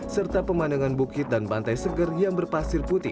serta pemandangan bukit dan pantai seger yang berpasir putih